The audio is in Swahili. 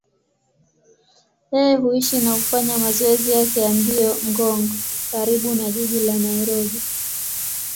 Yeye huishi na hufanya mazoezi yake ya mbio Ngong, karibu na jiji la Nairobi.